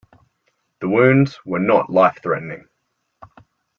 The wounds were not life-threatening.